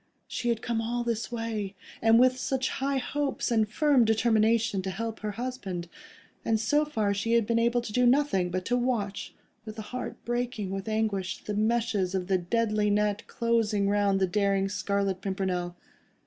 She had come all this way, and with such high hopes and firm determination to help her husband, and so far she had been able to do nothing, but to watch, with a heart breaking with anguish, the meshes of the deadly net closing round the daring Scarlet Pimpernel.